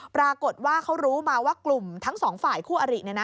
ปรากฏว่าเขารู้มาว่ากลุ่มทั้งสองฝ่ายคู่อริ